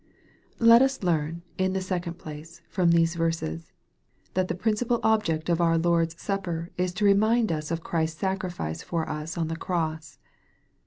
Let us learn, in the second place, from these verses, that the principal object of our Lord's Supper, is to remind us of Christ's sacrifice for us on the cross.